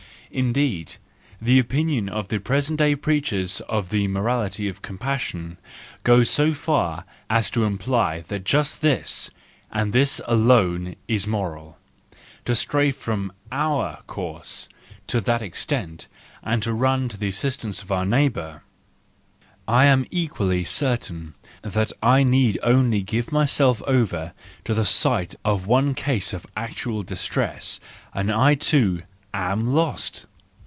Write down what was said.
Indeed, the opinion of the present day preachers of the morality of compassion goes so far as to imply that just this, and this alone is moral:—to stray from our course to that extent and to run to the assistance of our neighbour. I am equally certain that I need only give myself over to the sight of one case of actual distress, and I, too, am lost!